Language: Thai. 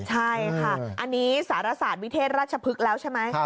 ใช่ค่ะอันนี้สารศาสตร์วิเทศราชพฤกษ์แล้วใช่ไหม